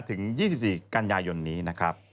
ถึง๒๔กันยายนนี้นะครับ